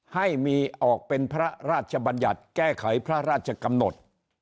ให้มีออกเป็นพระราชบัญญัติแก้ไขพระราชกำหนด